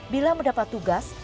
bila mendapat tugas